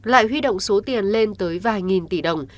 lại huy động số tiền lên tới vài nghìn tỷ đồng